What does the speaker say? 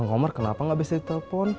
ngomong kenapa enggak bisa ditelepon